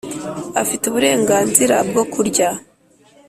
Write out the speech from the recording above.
afite uburenganzira bwo kurya